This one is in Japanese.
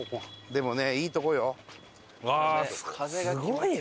でもねいいとこよ。